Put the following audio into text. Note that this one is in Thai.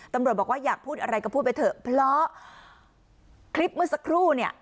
ตำรวจบอกว่าอยากพูดอะไรก็พูดไปเถอะเพราะคลิปเมื่อสักครู่เนี่ย